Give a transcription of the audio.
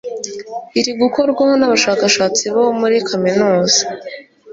iri gukorwaho n'abashakashatsi bo muri Kaminuza